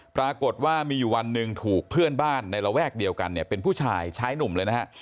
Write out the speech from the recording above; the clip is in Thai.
ปรากฏว่ามีอยู่วันหนึ่งถูกเพื่อนบ้านในระแวกเดียวกันเนี่ยเป็นผู้ชายชายหนุ่มเลยนะฮะ